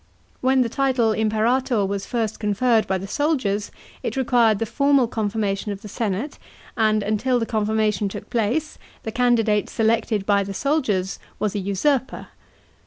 * When the title Im perator was first conferred by the soldiers, it required the formal confirmation of the senate, and until the confirmation took place the candidate selected by the soldiers was a usurper.